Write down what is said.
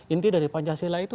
inti dari pancasila itu